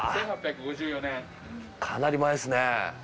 かなり前っすね。